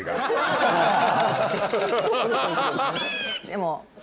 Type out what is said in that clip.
でも。